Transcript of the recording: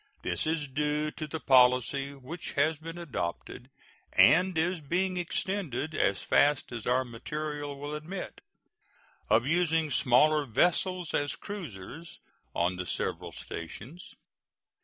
This is due to the policy which has been adopted, and is being extended as fast as our material will admit, of using smaller vessels as cruisers on the several stations.